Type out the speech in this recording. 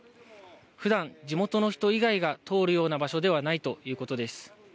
ふだん地元の人以外が通るような場所ではないということです。